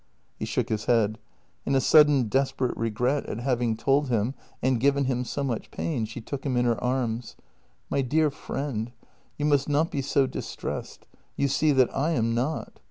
He shook his head. In a sudden desperate regret at having JENNY 233 told him and given him so much pain she took him in her arms: " My dear friend, you must not be so distressed — you see that I am not.